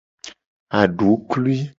Aduklui.